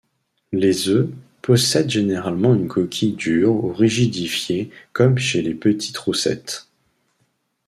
Les œufs possèdent généralement une coquille dure ou rigidifiée comme chez les petite roussette.